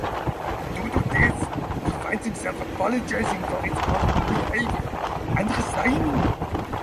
Due to this, he finds himself apologizing for his horrible behavior and resigning.